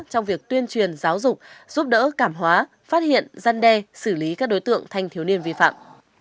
trong việc tuyên truyền giáo dục giúp đỡ cảm hóa phát hiện gian đe xử lý các đối tượng thanh thiếu niên vi phạm